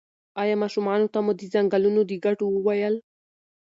ایا ماشومانو ته مو د ځنګلونو د ګټو وویل؟